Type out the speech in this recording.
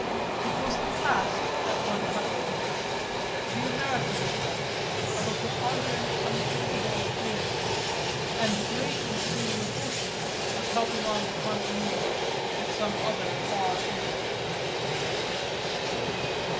It was the Past that one touched in her, the American past of a preponderant unthinkable queerness; and great would seem the fortune of helping on the continuity at some other far end.